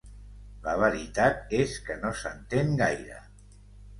La veritat és que no s'entén gaire.